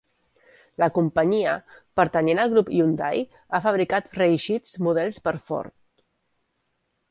La companyia, pertanyent al grup Hyundai, ha fabricat reeixits models per Ford.